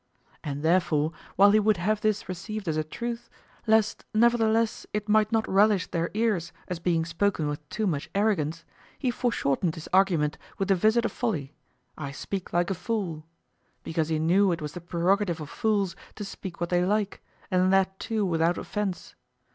And therefore, while he would have this received as a truth, lest nevertheless it might not relish their ears as being spoken with too much arrogance, he foreshortened his argument with the vizard of folly, "I speak like a fool," because he knew it was the prerogative of fools to speak what they like, and that too without offense.